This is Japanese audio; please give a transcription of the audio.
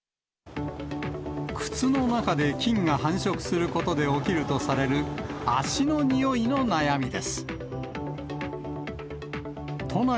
靴の中で菌が繁殖することで起きるとされる、足のにおいの悩みです。